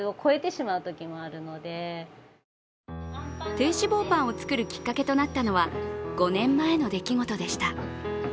低脂肪パンを作るきっかけとなったのは５年前の出来事でした。